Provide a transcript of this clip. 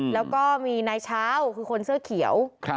แล้วก็มีนายเช้าคือคนเสื้อเขียว